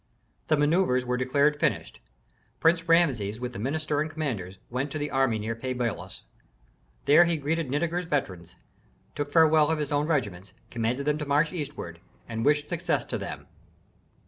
The manœuvres were declared finished. Prince Rameses with the minister and commanders went to the army near Pi Bailos. There he greeted Nitager's veterans, took farewell of his own regiments, commanded them to march eastward, and wished success to them.